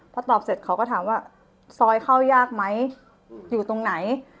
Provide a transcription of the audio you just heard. พอตอบเสร็จเขาก็ถามว่าซอยเข้ายากไหมอยู่ตรงไหน